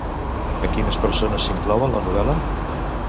A quines persones s'inclou en la novel·la?